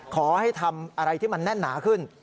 ขอให้ทำอะไรที่มันแน่นหนาขึ้น